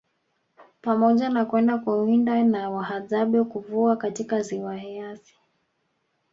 Pamoja na kwenda kuwinda na wahadzabe Kuvua katika Ziwa Eyasi